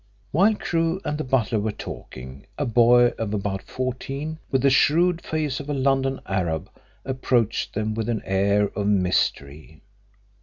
While Crewe and the butler were talking a boy of about fourteen, with the shrewd face of a London arab, approached them with an air of mystery.